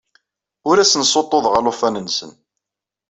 Ur asen-ssuṭṭuḍeɣ alufan-nsen.